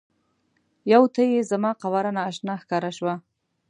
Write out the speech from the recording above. یوه ته یې زما قواره نا اشنا ښکاره شوه.